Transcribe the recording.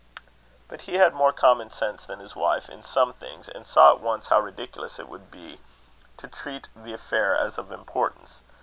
But he had more common sense than his wife in some things, and saw at once how ridiculous it would be to treat the affair as of importance.